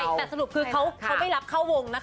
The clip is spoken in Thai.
แต่สรุปคือเขาไม่รับเข้าวงนะคะ